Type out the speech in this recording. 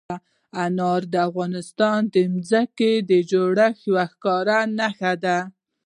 انار د افغانستان د ځمکې د جوړښت یوه ښکاره نښه ده.